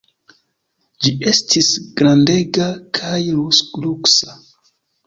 Ĝi estis grandega kaj luksa.